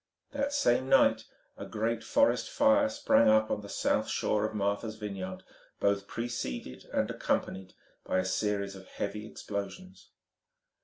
That same night a great forest fire sprang up on the south shore of Martha's Vineyard, both preceded and accompanied by a series of heavy explosions.